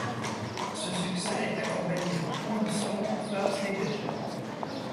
Ce succès est accompagné d'une promotion en First Division.